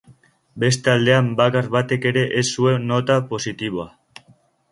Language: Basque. Beste aldean, bakar batek ere ez zuen nota positiboa.